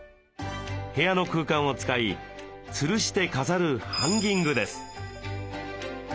部屋の空間を使いつるして飾るハンギングです。